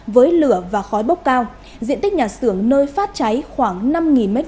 với lửa và khói bốc cao diện tích nhà xưởng nơi phát cháy khoảng năm m hai